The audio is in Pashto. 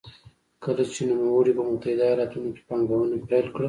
کله چې نوموړي په متحده ایالتونو کې پانګونه پیل کړه.